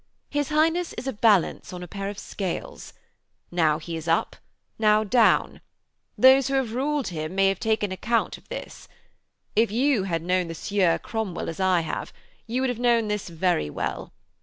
His Highness is a balance of a pair of scales. Now he is up, now down. Those who have ruled him have taken account of this. If you had known the Sieur Cromwell as I have, you would have known this very well.